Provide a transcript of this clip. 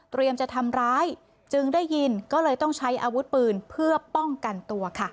จะทำร้ายจึงได้ยินก็เลยต้องใช้อาวุธปืนเพื่อป้องกันตัวค่ะ